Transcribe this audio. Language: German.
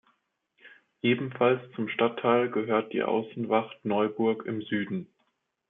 Ebenfalls zum Stadtteil gehört die Aussenwacht Neuburg im Süden.